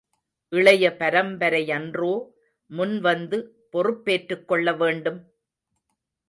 இளைய பரம்பரையன்றோ முன்வந்து பொறுப்பேற்றுக் கொள்ள வேண்டும்?